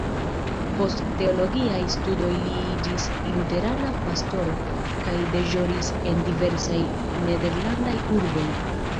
Post teologiaj studoj li iĝis luterana pastoro, kaj deĵoris en diversaj nederlandaj urboj.